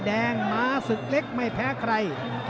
หมาศึกเล็กไม่แพ้ใคร